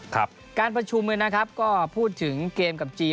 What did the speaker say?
ทุกช่วงนี้นะครับก็พูดถึงเกมกับจีน